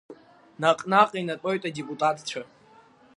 Наҟ-ааҟ инатәоит адепутатцәа.